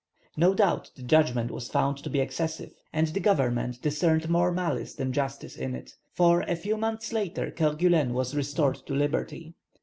No doubt the judgment was found to be excessive, and the government discerned more malice than justice in it, for a few months later Kerguelen was restored to liberty.